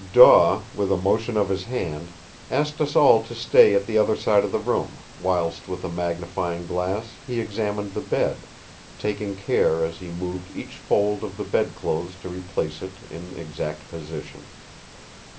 Daw, with a motion of his hand, asked us all to stay at the other side of the room whilst with a magnifying glass he examined the bed, taking care as he moved each fold of the bedclothes to replace it in exact position.